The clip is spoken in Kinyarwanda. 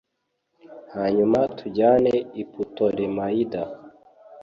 hanyuma tujyane i putolemayida